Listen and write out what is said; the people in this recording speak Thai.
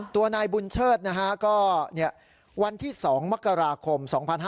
ตัวนายบุญเชิดนะฮะก็วันที่๒มกราคม๒๕๕๙